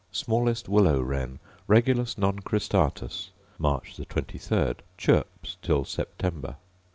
2. Smallest willow wren, Regulus non cristatus: March 23: chirps till September.